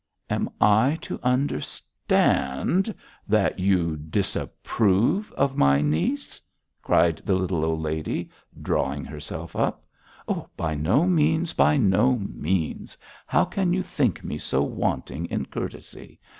'Am I to understand that you disapprove of my niece?' cried the little old lady, drawing herself up. 'By no means; by no means; how can you think me so wanting in courtesy?